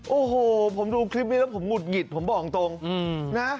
โอ้โหผมดูคลิปนี้แล้วผมหงุดหงิดผมบอกตรงนะ